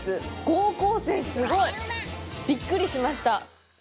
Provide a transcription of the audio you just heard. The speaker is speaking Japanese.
高校生すごい！びっくりしました。